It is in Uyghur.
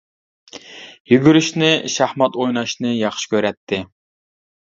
يۈگۈرۈشنى، شاھمات ئويناشنى ياخشى كۆرەتتى.